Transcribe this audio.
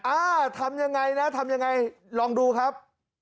อ้าวทำอย่างไรนะทำอย่างไรลองดูครับ